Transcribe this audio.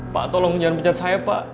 pak tolong jangan pecat saya pak